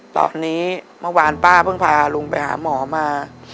ตอนนี้เมื่อวานป้าเพิ่งพาลุงไปหาหมอมา